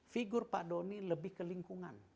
figur pak doni lebih ke lingkungan